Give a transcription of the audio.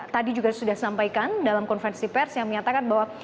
tadi juga sudah disampaikan dalam konferensi pers yang menyatakan bahwa